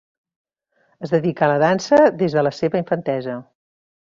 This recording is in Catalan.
Es dedica a la dansa des de la seva infantesa.